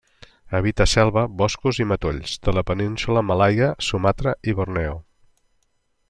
Habita selva, boscos i matolls de la Península Malaia, Sumatra i Borneo.